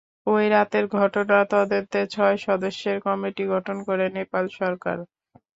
ওই রাতেই ঘটনা তদন্তে ছয় সদস্যের কমিটি গঠন করে নেপাল সরকার।